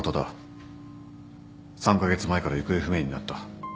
３カ月前から行方不明になった。